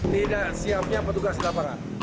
tidak siapnya petugas laparan